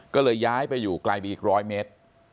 ก็เลยย้ายไปอยู่ไกลไปอีก๑๐๐เมตร